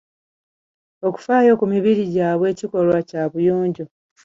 Okufaayo ku mibiri gyabwe kikolwa Kya buyonjo.